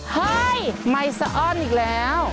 เฮ้ยไมค์สะอ้อนอีกแล้ว